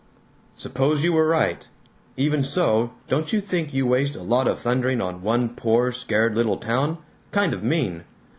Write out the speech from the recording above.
"Suppose you were right. Even so, don't you think you waste a lot of thundering on one poor scared little town? Kind of mean!"